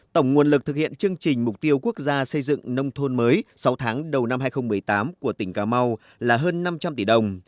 tổng nguồn lực thực hiện chương trình mục tiêu quốc gia xây dựng nông thôn mới sáu tháng đầu năm hai nghìn một mươi tám của tỉnh cà mau là hơn năm trăm linh tỷ đồng